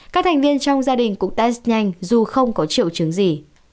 các thành viên trong gia đình cũng test nhanh dù không có triệu chứng gì